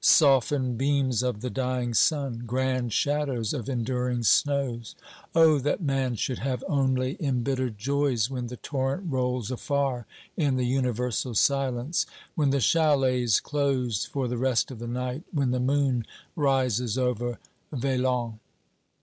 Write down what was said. Softened beams of the dying sun ! grand shadows of enduring snows ! Oh that man should have only em bittered joys when the torrent rolls afar in the universal 320 OBERMANN silence, when the chalets close for the rest of the night, when the moon rises over Velan.